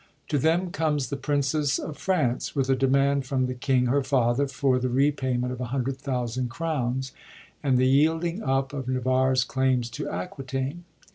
To them comes the Princess of France, with a demand from the king, her father, for the repayment of 100,000 crowns, and the yielding up of Navarre's claims to Aquitaine.